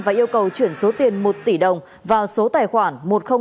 và yêu cầu chuyển số tiền một tỷ đồng vào số tài khoản